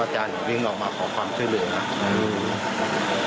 อาจารย์วิ่งออกมาขอความช่วยเหลือครับ